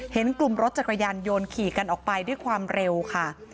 เห็นกลุ่มรถจักรยานยนต์ขี่กันออกไปด้วยความเร็วค่ะ